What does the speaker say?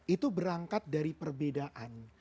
itu berangkat dari perbedaan